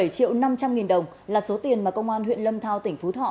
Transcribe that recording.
bảy triệu năm trăm linh nghìn đồng là số tiền mà công an huyện lâm thao tỉnh phú thọ